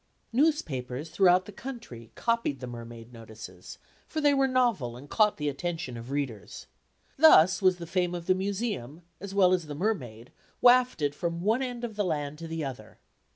Newspapers throughout the country copied the mermaid notices, for they were novel and caught the attention of readers. Thus was the fame of the Museum, as well as the mermaid, wafted from one end of the land to the other.